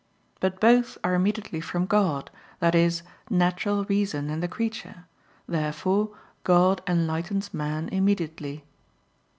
But both are immediately from God that is, natural reason and the creature. Therefore God enlightens man immediately.